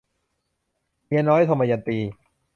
เมียน้อย - ทมยันตี